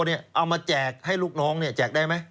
เอามาแจกให้ลูกน้องแจกได้ไหม